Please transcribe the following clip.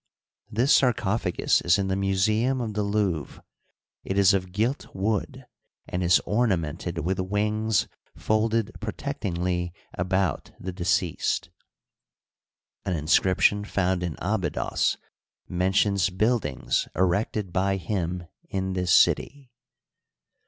This sarcophagus is in the museum of the Louvre ; it is of g^lt wood, and is orna mented with wings folded protectingly about the deceased. An inscription found in Abydos mentions buildings erected by him in this city.